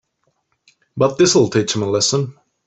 But this'll teach them a lesson.